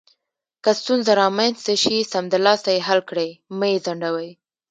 که ستونزه رامنځته شي، سمدلاسه یې حل کړئ، مه یې ځنډوئ.